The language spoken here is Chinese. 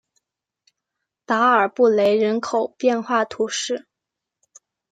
达尔布雷人口变化图示